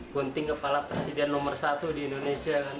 gunting kepala presiden nomor satu di indonesia